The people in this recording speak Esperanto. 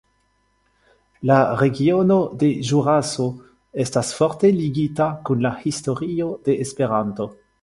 La regiono de Ĵuraso estas forte ligita kun la historio de Esperanto.